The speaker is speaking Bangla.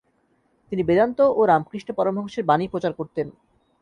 তিনি বেদান্ত ও রামকৃষ্ণ পরমহংসের বাণী প্রচার করতেন।